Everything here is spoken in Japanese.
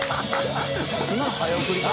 「今の早送りか？